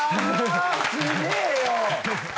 すげえよ！